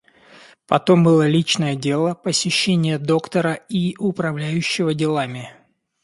Потом было личное дело, посещение доктора и управляющего делами.